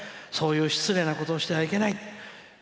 そういう失礼なことをしてはいけない。